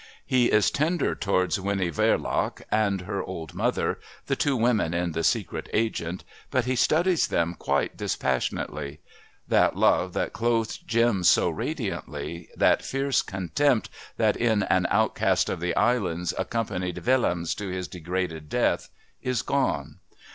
He is tender towards Winnie Verloc and her old mother, the two women in The Secret Agent, but he studies them quite dispassionately. That love that clothed Jim so radiantly, that fierce contempt that in An Outcast of the Islands accompanied Willems to his degraded death, is gone.